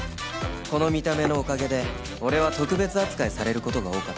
この見た目のおかげで俺は特別扱いされる事が多かった